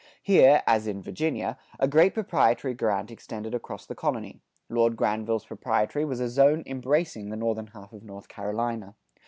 Here, as in Virginia, a great proprietary grant extended across the colony Lord Granville's proprietary was a zone embracing the northern half of North Carolina.